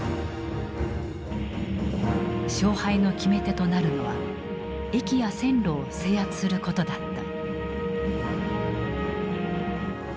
勝敗の決め手となるのは駅や線路を制圧することだった。